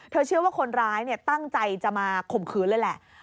เชื่อว่าคนร้ายตั้งใจจะมาข่มขืนเลยแหละ